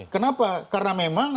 kenapa karena memang